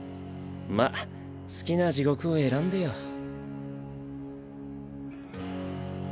まっ好きな地獄を選んでよ。